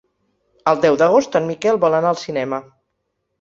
El deu d'agost en Miquel vol anar al cinema.